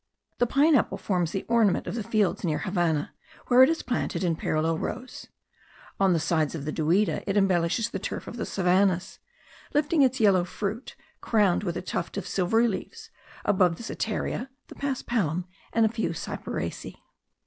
The pine apple forms the ornament of the fields near the Havannah, where it is planted in parallel rows; on the sides of the Duida it embellishes the turf of the savannahs, lifting its yellow fruit, crowned with a tuft of silvery leaves, above the setaria, the paspalum, and a few cyperaceae.